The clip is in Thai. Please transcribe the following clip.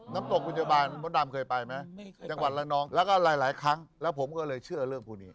น้ำตกวิทยาบาลมดดำเคยไปไหมไม่เคยจังหวัดละนองแล้วก็หลายครั้งแล้วผมก็เลยเชื่อเรื่องพวกนี้